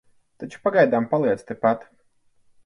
Taču pagaidām paliec tepat.